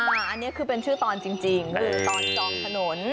อันนี้คือเป็นชื่อตอนจริงคือตอนจองถนน